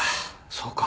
そうか。